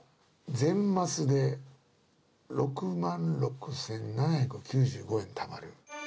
全マスで６万６７９５円たまる。